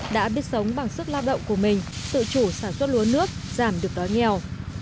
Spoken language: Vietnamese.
đã biết sống bằng sức lao động của mình tự chủ sản xuất lúa nước giảm được đói nghèo